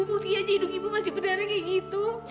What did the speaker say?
bukti aja hidung ibu masih benar kayak gitu